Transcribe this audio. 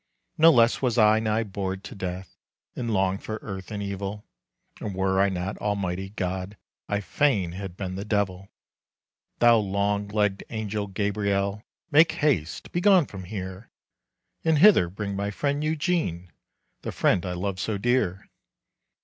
No less was I nigh bored to death, And longed for earth and evil, And were I not Almighty God, I fain had been the devil. "Thou long legged angel Gabriel, Make haste; begone from here! And hither bring my friend Eugene, The friend I love so dear.